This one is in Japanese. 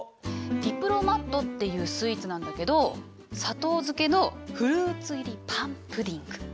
ディプロマットっていうスイーツなんだけど砂糖漬けのフルーツ入りパンプディング。